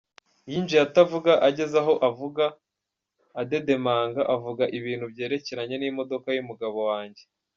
Yinjiye atavuga, ageze aho avuga adedemanga avuga ibintu byerekeranye n’imodoka y’umugabo wange.